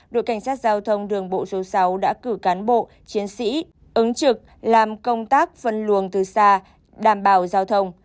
đội cảnh sát giao thông đường bộ số sáu đã cử cán bộ chiến sĩ ứng trực làm công tác phân luồng từ xa đảm bảo giao thông